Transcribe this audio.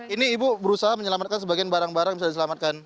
ini ibu berusaha menyelamatkan sebagian barang barang yang bisa diselamatkan